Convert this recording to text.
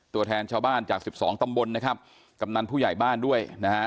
ตัวแทนชาวบ้านจาก๑๒ตำบลนะครับกับนันผู้ใหญ่บ้านด้วย